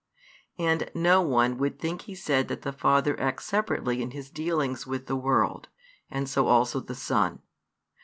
And no one would think He said that the Father acts separately in His dealings with the world, and so also the Son.